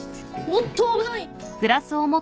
おっと危ない！